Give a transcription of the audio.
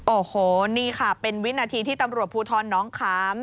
โอ้โหนี่ค่ะเป็นวินาทีที่ตำรวจภูทรน้องขาม